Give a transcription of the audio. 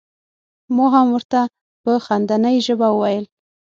ما هم ور ته په خندنۍ ژبه وویل.